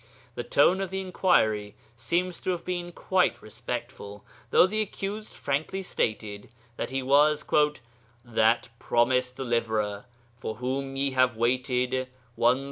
The tone of the inquiry seems to have been quite respectful, though the accused frankly stated that he was 'that promised deliverer for whom ye have waited 1260 years, to wit the Ḳa'im.'